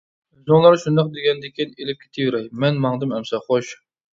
-ئۆزۈڭلار شۇنداق دېگەندىكىن ئېلىپ كېتىۋېرەي، مەن ماڭدىم ئەمسە، خوش.